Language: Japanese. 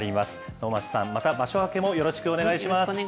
能町さん、また場所明けもよろしよろしくお願いします。